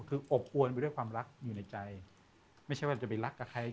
คืออบอวนไปด้วยความรักอยู่ในใจไม่ใช่ว่าจะไปรักกับใคร